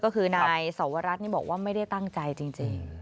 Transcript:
ก็คือนายสวรัตนนี่บอกว่าไม่ได้ตั้งใจจริง